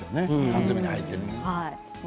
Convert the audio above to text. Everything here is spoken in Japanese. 缶詰に入っている。